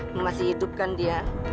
lu masih hidup kan dia